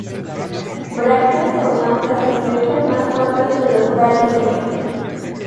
Brácteas oblongas estrechas, más cortas que los cálices.